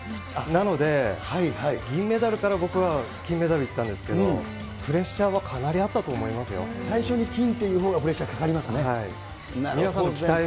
なので、銀メダルから僕は金メダルいったんですけど、プレッシャーはかな最初に金っていうほうがプレッシャーかかりますね。